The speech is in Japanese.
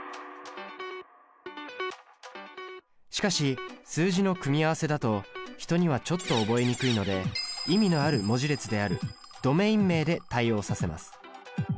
しかし数字の組み合わせだと人にはちょっと覚えにくいので意味のある文字列であるドメイン名で対応させます。